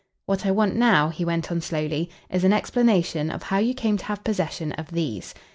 "What I want now," he went on slowly, "is an explanation of how you came to have possession of these."